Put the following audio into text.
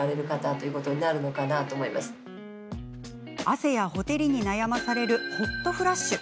汗や、ほてりに悩まされるホットフラッシュ。